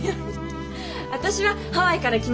私はハワイから来ました